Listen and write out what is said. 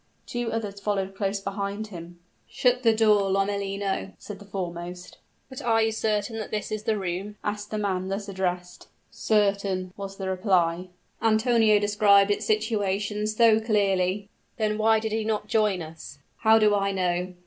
Two others followed close behind him. "Shut the door, Lomellino," said the foremost. "But are you sure that this is the room?" asked the man thus addressed. "Certain," was the reply. "Antonio described its situation so clearly " "Then why did he not join us?" "How do I know?